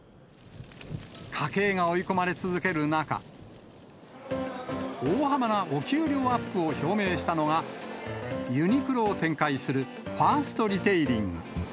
家計が追い込まれ続ける中、大幅なお給料アップを表明したのが、ユニクロを展開するファーストリテイリング。